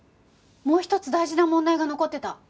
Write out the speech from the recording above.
もう一つ大事な問題が残ってた。